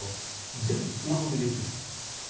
全部スマホでできるそうです。